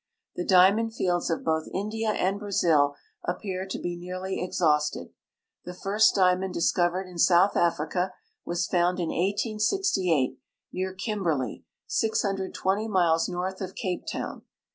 The diamond fields of both India and Brazil appear to be nearly exhausted. The first diamond discovered in South Africa was found in 1868 near Kimberley, 620 miles north of Cape Town.